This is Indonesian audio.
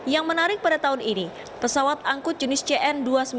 yang menarik pada tahun ini pesawat angkut jenis cn dua ratus sembilan puluh